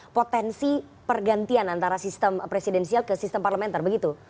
potensi pergantian antara sistem presidensial ke sistem parlementer begitu